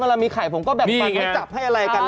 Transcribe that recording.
เมื่อมีไข่ผมก็แบบไอ้จับให้อะไรกัน